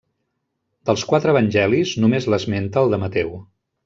Dels quatre evangelis, només l'esmenta el de Mateu.